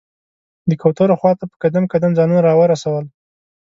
د کوترو خواته په قدم قدم ځانونه راورسول.